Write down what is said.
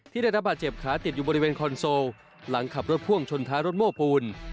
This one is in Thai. ได้รับบาดเจ็บขาติดอยู่บริเวณคอนโซลหลังขับรถพ่วงชนท้ายรถโม้ปูน